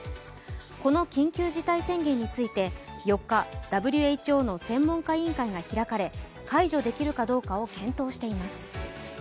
この緊急事態宣言について４日、ＷＨＯの専門家委員会が開かれ解除できるかどうかを検討しています。